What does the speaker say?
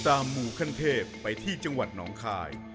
หมู่ขั้นเทพไปที่จังหวัดหนองคาย